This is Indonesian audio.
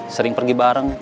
sering pergi bareng